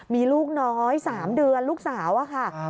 มีลูกน้อย๓เดือนลูกสาวอะค่ะ